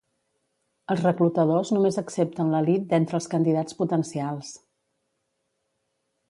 Els reclutadors només accepten l'elit d'entre els candidats potencials.